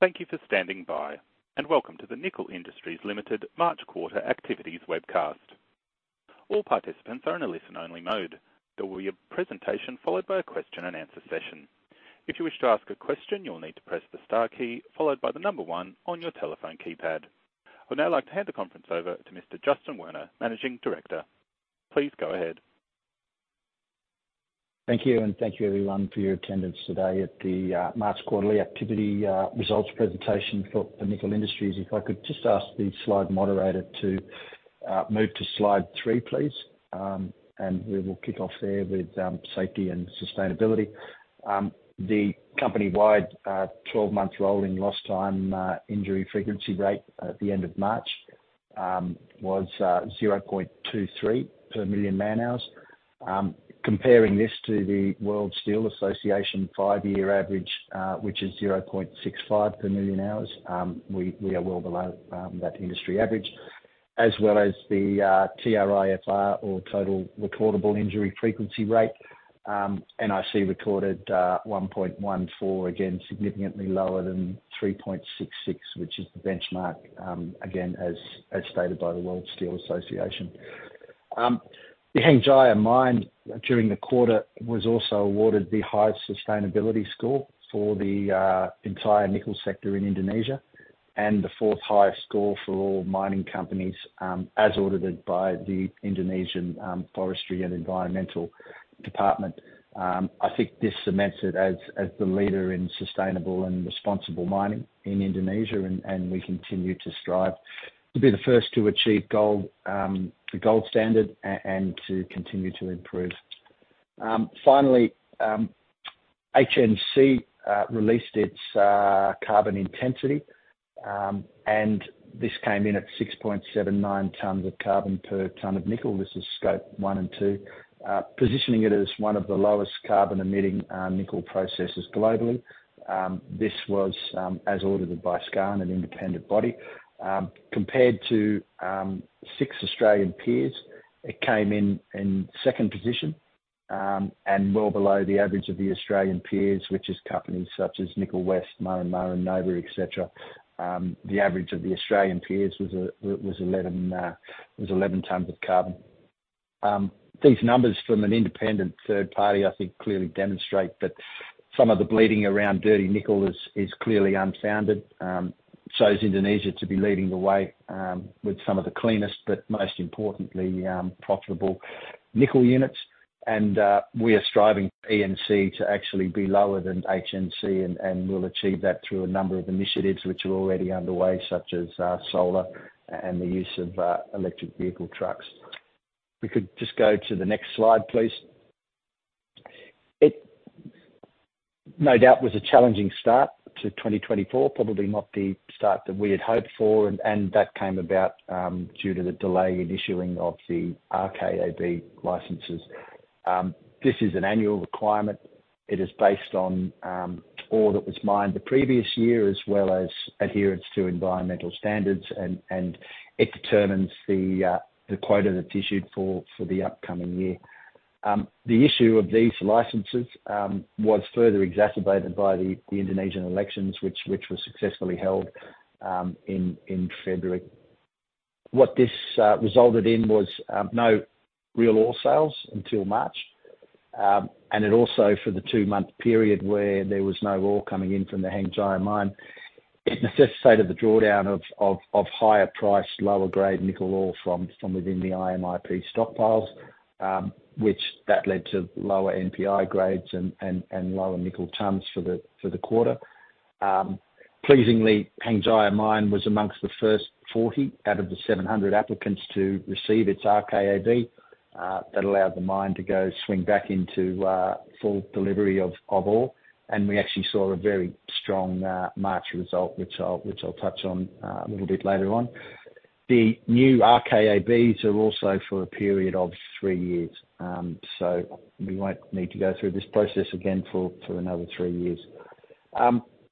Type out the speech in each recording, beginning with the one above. Thank you for standing by, and welcome to the Nickel Industries Limited March Quarter Activities Webcast. All participants are in a listen-only mode. There will be a presentation followed by a question and answer session. If you wish to ask a question, you will need to press the star key, followed by the number one on your telephone keypad. I would now like to hand the conference over to Mr. Justin Werner, Managing Director. Please go ahead. Thank you, and thank you everyone for your attendance today at the March quarterly activity results presentation for the Nickel Industries. If I could just ask the slide moderator to move to slide 3, please, and we will kick off there with safety and sustainability. The company-wide 12-month rolling lost time injury frequency rate at the end of March was 0.23 per million man-hours. Comparing this to the World Steel Association five-year average, which is 0.65 per million hours, we are well below that industry average, as well as the TRIFR or Total Recordable Injury Frequency Rate. NIC recorded 1.14, again, significantly lower than 3.66, which is the benchmark, again, as stated by the World Steel Association. The Hengjaya Mine, during the quarter, was also awarded the highest sustainability score for the entire nickel sector in Indonesia, and the fourth-highest score for all mining companies, as audited by the Indonesian Forestry and Environmental Department. I think this cements it as the leader in sustainable and responsible mining in Indonesia, and we continue to strive to be the first to achieve gold, the gold standard and to continue to improve. Finally, HNC released its carbon intensity, and this came in at 6.79 tons of carbon per ton of nickel. This is Scope 1 and Scope 2, positioning it as one of the lowest carbon-emitting nickel processors globally. This was, as audited by Skarn, an independent body. Compared to six Australian peers, it came in second position and well below the average of the Australian peers, which is companies such as Nickel West, Murrin Murrin, Nova, et cetera. The average of the Australian peers was 11 tons of carbon. These numbers from an independent third party, I think, clearly demonstrate that some of the bleating around dirty nickel is clearly unfounded. Shows Indonesia to be leading the way with some of the cleanest, but most importantly, profitable nickel units. We are striving for ENC to actually be lower than HNC, and we'll achieve that through a number of initiatives which are already underway, such as solar and the use of electric vehicle trucks. If we could just go to the next slide, please. It, no doubt, was a challenging start to 2024, probably not the start that we had hoped for, and that came about due to the delay in issuing of the RKAB licenses. This is an annual requirement. It is based on ore that was mined the previous year, as well as adherence to environmental standards, and it determines the quota that's issued for the upcoming year. The issue of these licenses was further exacerbated by the Indonesian elections, which were successfully held in February. What this resulted in was no real ore sales until March, and it also, for the two-month period where there was no ore coming in from the Hengjaya Mine, it necessitated the drawdown of higher priced, lower grade nickel ore from within the IMIP stockpiles, which led to lower NPI grades and lower nickel tons for the quarter. Pleasingly, Hengjaya Mine was amongst the first 40 out of the 700 applicants to receive its RKAB. That allowed the mine to swing back into full delivery of ore, and we actually saw a very strong March result, which I'll touch on a little bit later on. The new RKABs are also for a period of three years, so we won't need to go through this process again for another three years.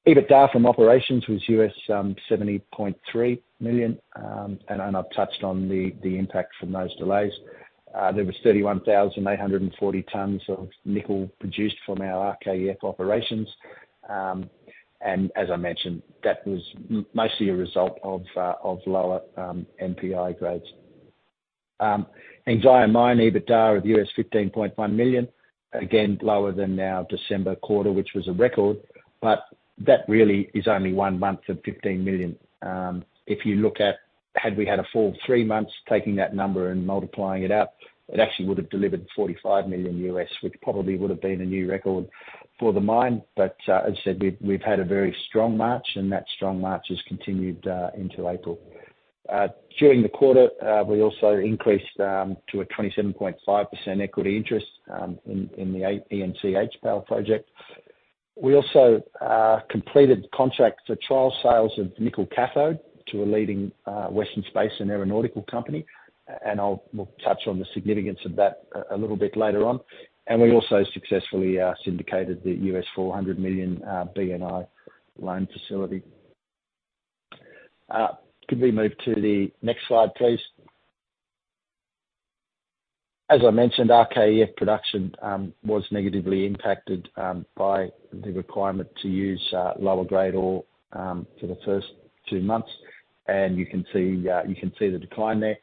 EBITDA from operations was $70.3 million, and I've touched on the impact from those delays. There was 31,800 tons of nickel produced from our RKEF operations, and as I mentioned, that was mostly a result of lower NPI grades. Hengjaya Mine, EBITDA of $15.1 million, again, lower than our December quarter, which was a record, but that really is only one month of $15 million. If you look at had we had a full three months, taking that number and multiplying it out, it actually would have delivered $45 million, which probably would have been a new record for the mine. But, as I said, we've had a very strong March, and that strong March has continued into April. During the quarter, we also increased to a 27.5% equity interest in the ENC HPAL project. We also completed contracts for trial sales of nickel cathode to a leading Western space and aeronautical company, and I'll touch on the significance of that a little bit later on. And we also successfully syndicated the $400 million BNI loan facility. Could we move to the next slide, please? As I mentioned, RKEF production was negatively impacted by the requirement to use lower grade ore for the first two months, and you can see the decline there.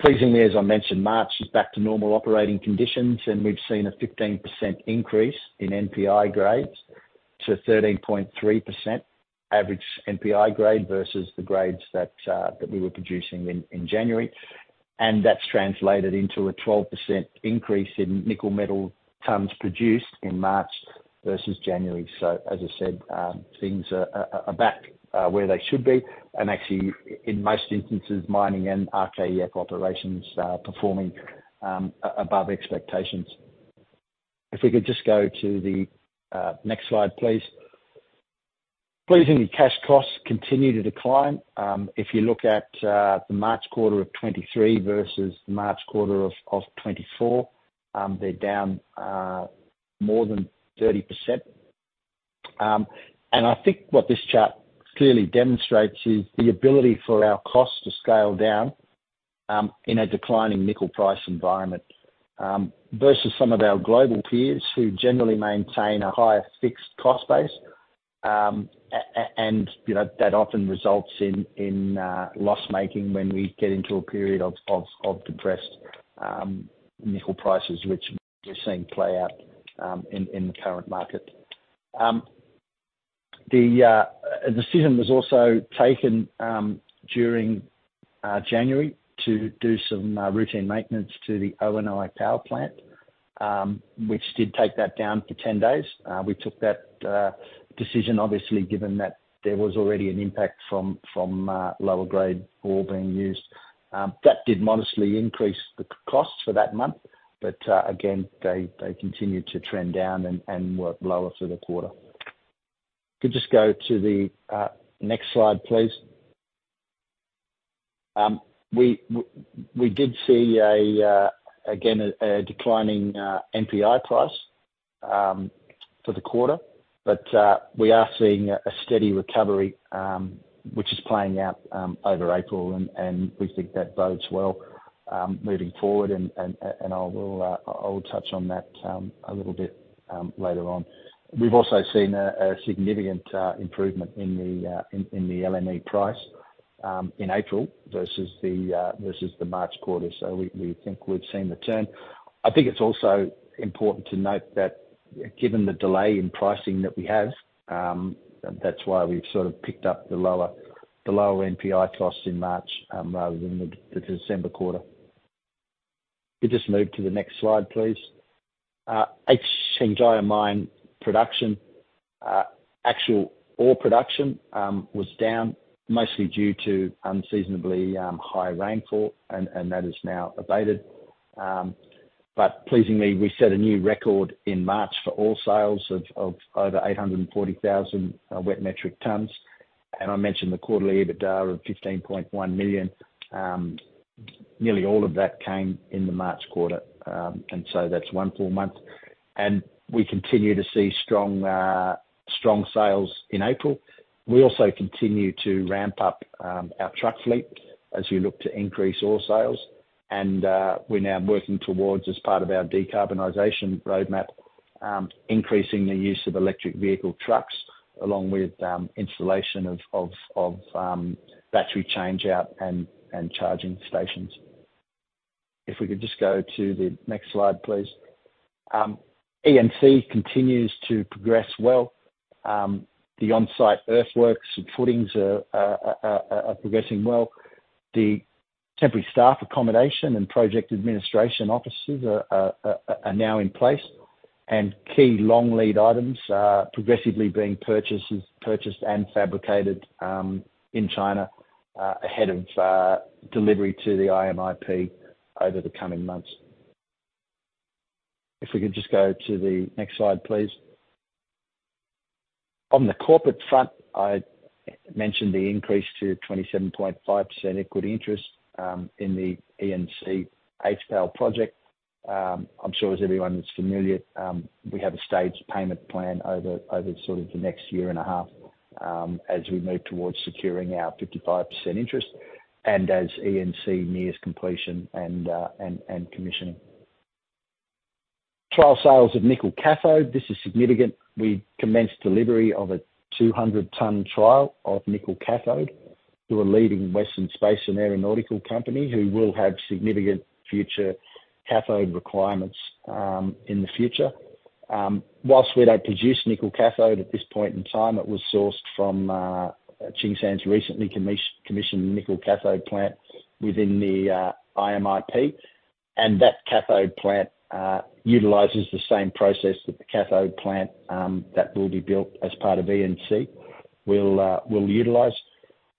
Pleasingly, as I mentioned, March is back to normal operating conditions, and we've seen a 15% increase in NPI grades to 13.3% average NPI grade versus the grades that we were producing in January. And that's translated into a 12% increase in nickel metal tons produced in March versus January. So as I said, things are back where they should be, and actually in most instances, mining and RKEF operations are performing above expectations. If we could just go to the next slide, please. Pleasingly, cash costs continue to decline. If you look at the March quarter of 2023 versus the March quarter of 2024, they're down more than 30%. And I think what this chart clearly demonstrates is the ability for our costs to scale down in a declining nickel price environment versus some of our global peers, who generally maintain a higher fixed cost base. And, you know, that often results in loss making when we get into a period of depressed nickel prices, which we're seeing play out in the current market. A decision was also taken during January to do some routine maintenance to the ONI power plant, which did take that down for 10 days. We took that decision, obviously, given that there was already an impact from, from, lower grade ore being used. That did modestly increase the costs for that month, but, again, they continued to trend down and were lower for the quarter. Could you just go to the next slide, please? We did see again a declining NPI price for the quarter, but we are seeing a steady recovery which is playing out over April, and we think that bodes well moving forward and I will touch on that a little bit later on. We've also seen a significant improvement in the LME price in April versus the March quarter, so we think we've seen the turn. I think it's also important to note that given the delay in pricing that we have, that's why we've sort of picked up the lower NPI costs in March rather than the December quarter. Could you just move to the next slide, please? Hengjaya Mine production, actual ore production, was down, mostly due to unseasonably high rainfall, and that has now abated. But pleasingly, we set a new record in March for ore sales of over 840,000 wet metric tons, and I mentioned the quarterly EBITDA of $15.1 million. Nearly all of that came in the March quarter, and so that's one full month. We continue to see strong sales in April. We also continue to ramp up our truck fleet as we look to increase ore sales, and we're now working towards, as part of our decarbonization roadmap, increasing the use of electric vehicle trucks, along with installation of battery changeout and charging stations. If we could just go to the next slide, please. ENC continues to progress well. The on-site earthworks and footings are progressing well. The temporary staff accommodation and project administration offices are now in place, and key long lead items are progressively being purchased and fabricated in China ahead of delivery to the IMIP over the coming months. If we could just go to the next slide, please. On the corporate front, I mentioned the increase to 27.5% equity interest in the ENC HPAL project. I'm sure as everyone is familiar, we have a staged payment plan over sort of the next year and a half, as we move towards securing our 55% interest and as ENC nears completion and commissioning. Trial sales of nickel cathode, this is significant. We commenced delivery of a 200-ton trial of nickel cathode to a leading Western space and aeronautical company, who will have significant future cathode requirements in the future. Whilst we don't produce nickel cathode at this point in time, it was sourced from Tsingshan's recently commissioned nickel cathode plant within the IMIP, and that cathode plant utilizes the same process that the cathode plant that will be built as part of ENC will utilize.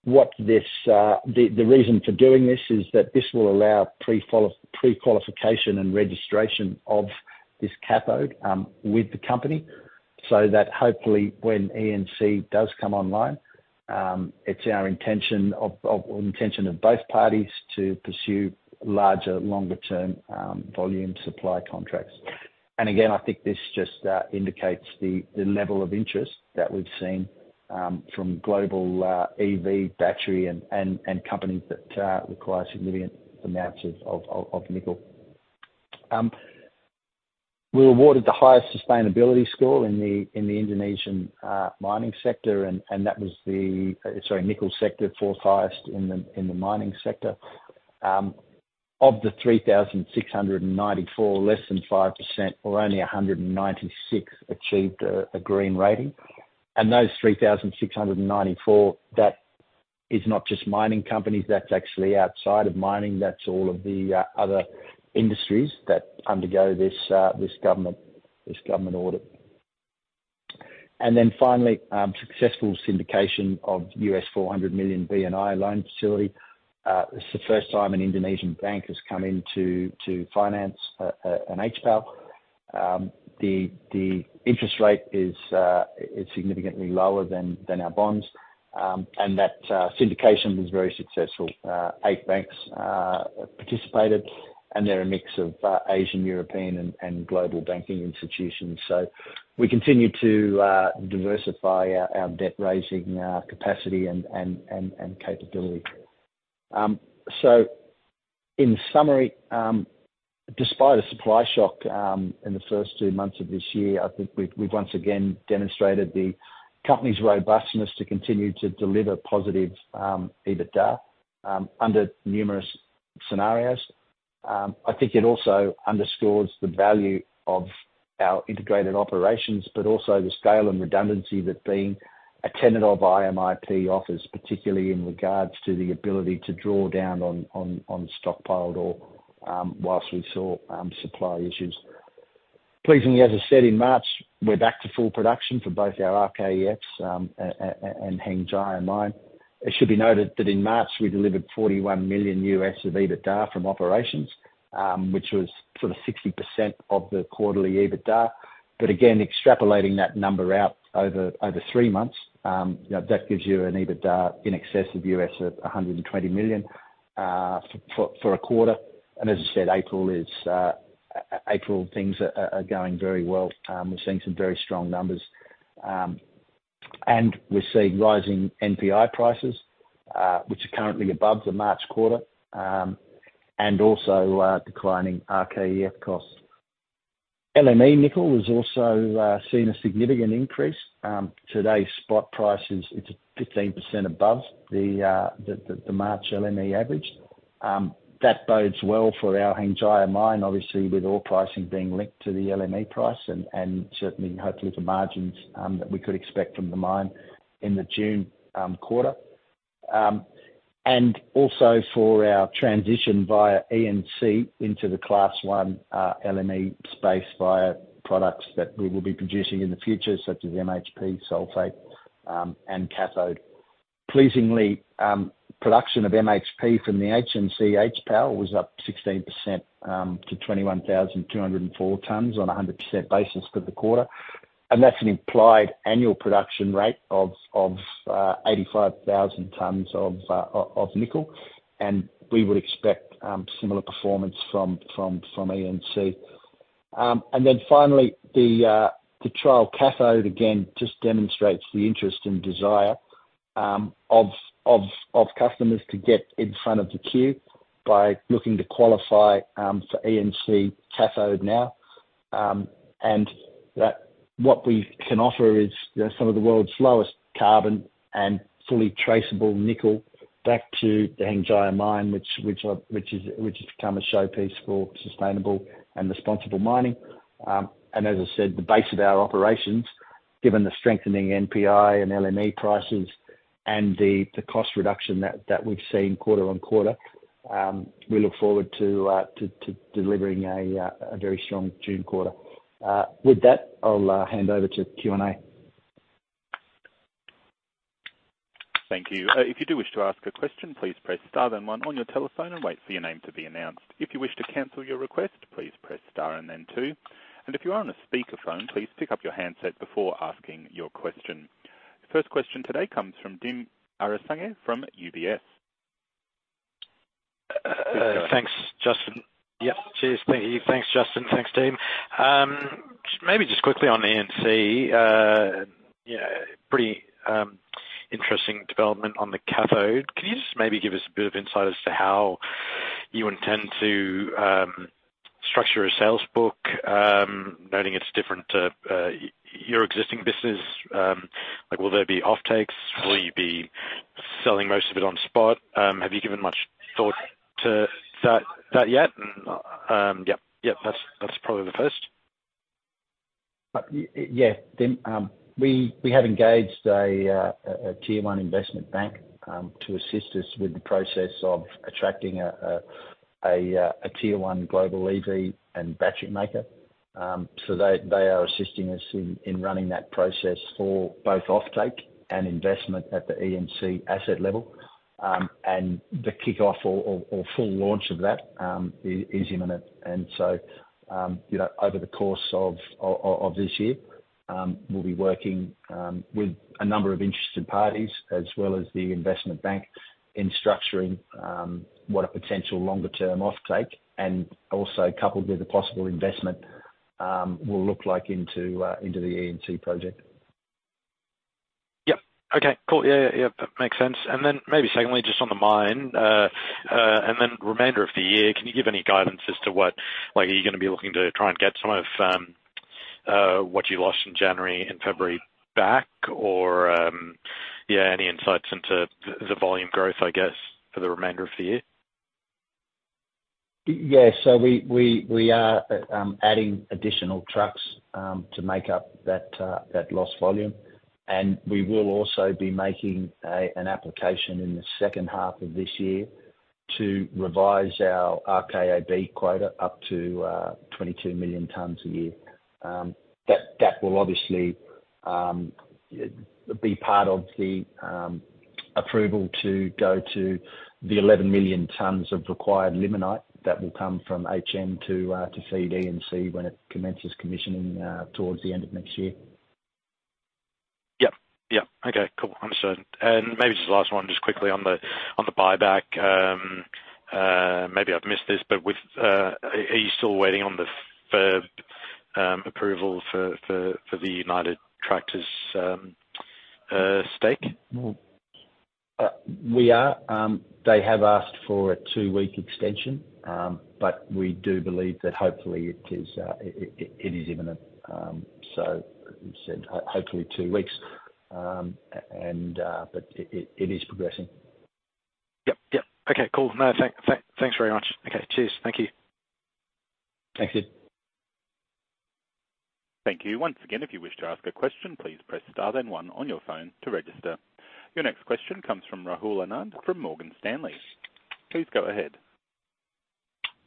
The reason for doing this is that this will allow prequalification and registration of this cathode with the company, so that hopefully when ENC does come online, it's our intention of both parties to pursue larger, longer term volume supply contracts. And again, I think this just indicates the level of interest that we've seen from global EV battery and companies that require significant amounts of nickel. We were awarded the highest sustainability score in the Indonesian mining sector, and that was the—sorry, nickel sector, fourth highest in the mining sector. Of the 3,694, less than 5%, or only 196, achieved a green rating. Those 3,694, that is not just mining companies, that's actually outside of mining. That's all of the other industries that undergo this government audit. Then finally, successful syndication of $400 million BNI loan facility. This is the first time an Indonesian bank has come in to finance an HPAL. The interest rate is significantly lower than our bonds. And that syndication was very successful. 8 banks participated, and they're a mix of Asian, European, and global banking institutions. We continue to diversify our debt-raising capacity and capability. In summary, despite a supply shock in the first two months of this year, I think we've once again demonstrated the company's robustness to continue to deliver positive EBITDA under numerous scenarios. I think it also underscores the value of our integrated operations, but also the scale and redundancy that being a tenant of IMIP offers, particularly in regards to the ability to draw down on stockpiled ore while we saw supply issues. Pleasingly, as I said, in March, we're back to full production for both our RKEFs and Hengjaya Mine. It should be noted that in March, we delivered $41 million of EBITDA from operations, which was sort of 60% of the quarterly EBITDA. But again, extrapolating that number out over three months, you know, that gives you an EBITDA in excess of $120 million for a quarter. And as I said, April things are going very well. We're seeing some very strong numbers. And we're seeing rising NPI prices, which are currently above the March quarter, and also declining RKEF costs. LME Nickel has also seen a significant increase. Today's spot price is 15% above the March LME average. That bodes well for our Hengjaya Mine, obviously, with all pricing being linked to the LME price and, and certainly hopefully the margins that we could expect from the mine in the June quarter. Also for our transition via ENC into the Class I LME space via products that we will be producing in the future, such as MHP, sulfate, and cathode. Pleasingly, production of MHP from the HNC HPAL was up 16% to 21,204 tons on a 100% basis for the quarter, and that's an implied annual production rate of eighty-five thousand tons of nickel, and we would expect similar performance from ENC. And then finally, the trial cathode, again, just demonstrates the interest and desire of customers to get in front of the queue by looking to qualify for ENC cathode now. And that-- what we can offer is, you know, some of the world's lowest carbon and fully traceable nickel back to the Hengjaya Mine, which has become a showpiece for sustainable and responsible mining. And as I said, the base of our operations, given the strengthening NPI and LME prices and the cost reduction that we've seen quarter on quarter, we look forward to delivering a very strong June quarter. With that, I'll hand over to Q&A. Thank you. If you do wish to ask a question, please press star then one on your telephone and wait for your name to be announced. If you wish to cancel your request, please press star and then two. If you are on a speakerphone, please pick up your handset before asking your question. First question today comes from Dim Ariyasinghe from UBS. Thanks, Justin. Yep. Cheers. Thank you. Thanks, Justin. Thanks, team. Maybe just quickly on the ENC, yeah, pretty interesting development on the cathode. Can you just maybe give us a bit of insight as to how you intend to structure a sales book, noting it's different to your existing business? Like, will there be offtakes? Will you be selling most of it on spot? Have you given much thought to that yet? And yep, that's probably the first. Yeah, Dim. We have engaged a Tier one investment bank to assist us with the process of attracting a Tier one global EV and battery maker. So they are assisting us in running that process for both offtake and investment at the ENC asset level. And the kickoff or full launch of that is imminent. And so, you know, over the course of this year, we'll be working with a number of interested parties, as well as the investment bank in structuring what a potential longer term offtake, and also coupled with a possible investment, will look like into the ENC project. Yep. Okay, cool. Yeah, yeah, yeah, that makes sense. And then maybe secondly, just on the mine, and then remainder of the year, can you give any guidance as to what—like, are you gonna be looking to try and get some of what you lost in January and February back, or, yeah, any insights into the volume growth, I guess, for the remainder of the year? Yes, so we are adding additional trucks to make up that lost volume. And we will also be making an application in the second half of this year to revise our RKAB quota up to 22 million tons a year. That will obviously be part of the approval to go to the 11 million tons of required limonite that will come from HM to the ENC when it commences commissioning towards the end of next year. Yep, yep. Okay, cool. Understood. And maybe just the last one, just quickly on the buyback. Maybe I've missed this, but are you still waiting on the regulatory approval for the United Tractors stake? We are. They have asked for a two week extension, but we do believe that hopefully it is imminent. So as I said, hopefully two weeks. And, but it is progressing. Yep, yep. Okay, cool. No, thanks very much. Okay, cheers. Thank you. Thanks, Dim. Thank you. Once again, if you wish to ask a question, please press star then one on your phone to register. Your next question comes from Rahul Anand, from Morgan Stanley. Please go ahead.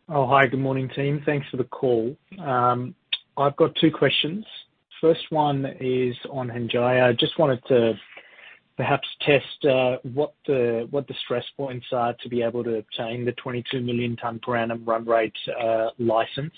Oh, hi, good morning, team. Thanks for the call. I've got two questions. First one is on Hengjaya. I just wanted to perhaps test, what the, what the stress points are to be able to obtain the 22 million tons per annum run rate license.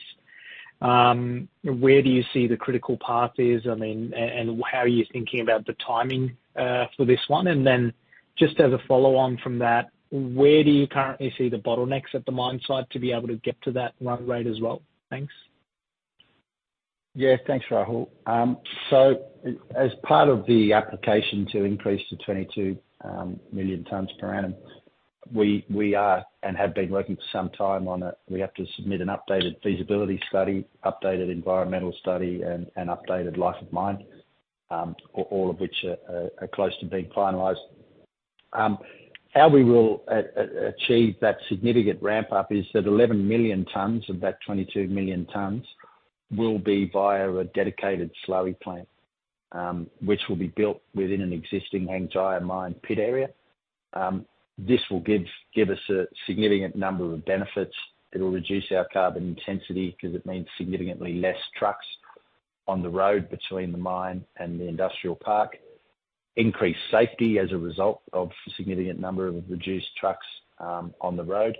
Where do you see the critical path is? I mean, and how are you thinking about the timing, for this one? And then just as a follow on from that, where do you currently see the bottlenecks at the mine site to be able to get to that run rate as well? Thanks. Yeah, thanks, Rahul. So as part of the application to increase to 22 million tons per annum, we are and have been working for some time on it. We have to submit an updated feasibility study, updated environmental study, and an updated life of mine, all of which are close to being finalized. How we will achieve that significant ramp up is that 11 million tons of that 22 million tons will be via a dedicated slurry plant, which will be built within an existing Hengjaya Mine pit area. This will give us a significant number of benefits. It'll reduce our carbon intensity, 'cause it means significantly less trucks on the road between the mine and the industrial park. Increased safety as a result of significant number of reduced trucks on the road.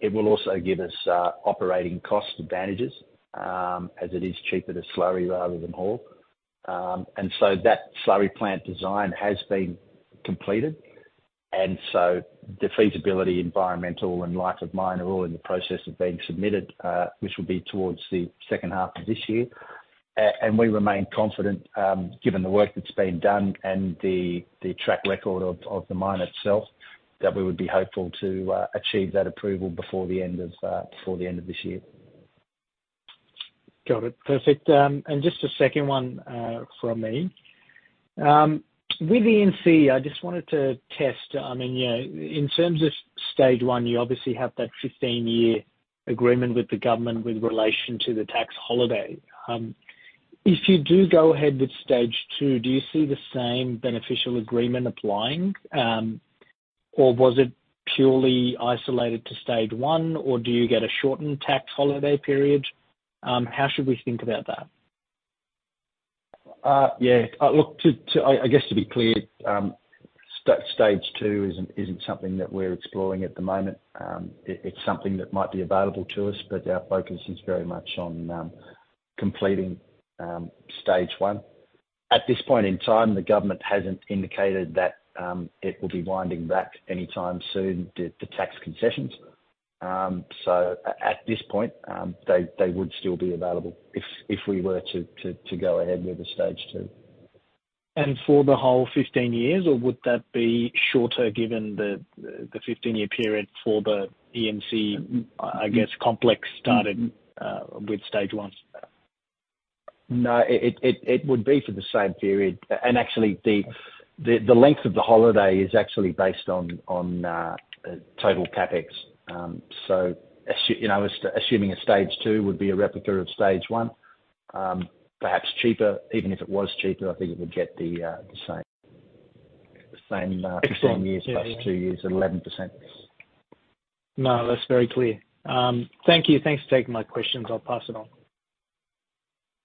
It will also give us operating cost advantages, as it is cheaper to slurry rather than haul. And so that slurry plant design has been completed, and so the feasibility, environmental, and life of mine are all in the process of being submitted, which will be towards the second half of this year. And we remain confident, given the work that's been done and the track record of the mine itself, that we would be hopeful to achieve that approval before the end of this year. Got it. Perfect. And just a second one, from me. With ENC, I just wanted to test, I mean, yeah, in terms of stage one, you obviously have that 15-year agreement with the government with relation to the tax holiday. If you do go ahead with stage two, do you see the same beneficial agreement applying? Or was it purely isolated to stage one, or do you get a shortened tax holiday period? How should we think about that? Look, I guess to be clear, stage two isn't something that we're exploring at the moment. It's something that might be available to us, but our focus is very much on completing stage one. At this point in time, the government hasn't indicated that it will be winding back any time soon, the tax concessions. So at this point, they would still be available if we were to go ahead with stage two. And for the whole 15 years, or would that be shorter, given the 15-year period for the ENC, I guess, complex started with stage one? No, it would be for the same period. And actually, the length of the holiday is actually based on total CapEx. So you know, assuming a stage two would be a replica of stage one, perhaps cheaper. Even if it was cheaper, I think it would get the same. Extending. - 15 years, plus two years, at 11%. No, that's very clear. Thank you. Thanks for taking my questions. I'll pass it on.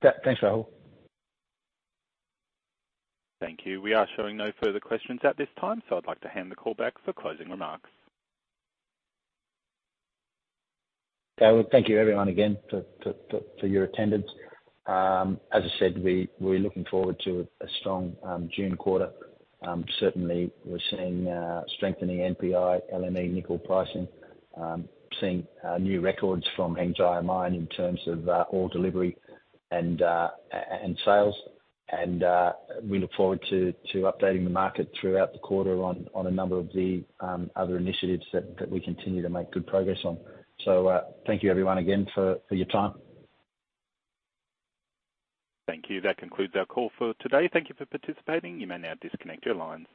Yeah, thanks, Rahul. Thank you. We are showing no further questions at this time, so I'd like to hand the call back for closing remarks. I would thank you everyone again for your attendance. As I said, we're looking forward to a strong June quarter. Certainly we're seeing strengthening NPI, LME, nickel pricing. Seeing new records from Hengjaya Mine in terms of ore delivery and sales. And we look forward to updating the market throughout the quarter on a number of the other initiatives that we continue to make good progress on. So, thank you everyone again for your time. Thank you. That concludes our call for today. Thank you for participating. You may now disconnect your lines.